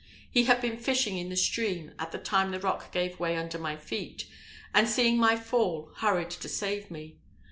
He had been fishing in the stream at the time the rock gave way under my feet, and seeing my fall, hurried to save me.